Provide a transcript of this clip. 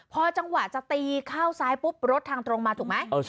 พอจังหวะจะตีเข้าซ้ายปุ๊บรถทางตรงมาถูกไหม